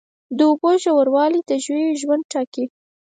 د اوبو ژوروالی د ژویو ژوند ټاکي.